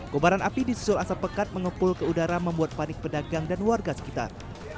kobaran api disusul asap pekat mengepul ke udara membuat panik pedagang dan warga sekitar